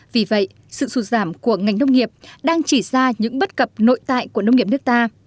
vì vậy sự sụt giảm của ngành nông nghiệp đang chỉ ra những bất cập nội tại của nông nghiệp nước ta